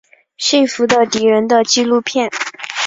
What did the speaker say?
幸福的敌人的纪录片。